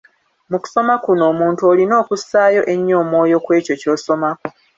Mu kusoma kuno omuntu olina okussaayo ennyo omwoyo ku ekyo ky’osomako.